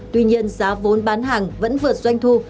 tuy nhiên giá vốn bán hàng vẫn vượt doanh thu